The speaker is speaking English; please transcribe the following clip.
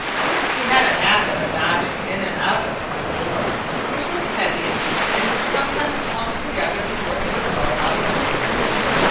He had a habit of dodging in and out of the front door, which was heavy, and which sometimes swung together before he was well out of it.